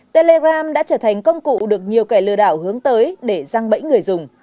telegram đã trở thành công cụ được nhiều kẻ lừa đảo hướng tới để răng bẫy người dùng